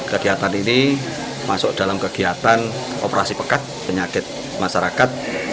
kegiatan ini masuk dalam kegiatan operasi pekat penyakit masyarakat